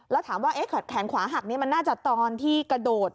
แล้วถามว่าแขนขวาหักนี้มันน่าจะตอนที่กระโดด